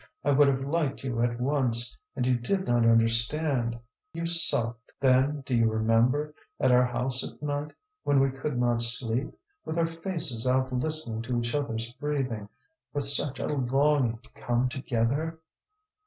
I would have liked you at once, and you did not understand; you sulked. Then, do you remember, at our house at night, when we could not sleep, with our faces out listening to each other's breathing, with such a longing to come together?"